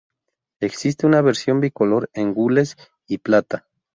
Existe una versión bicolor en gules y plata.